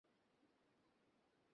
বংশগত ডায়াবেটিস সন্তানেরও হতে পারে।